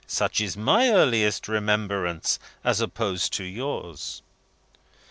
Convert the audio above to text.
Such is my earliest remembrance as opposed to yours!'"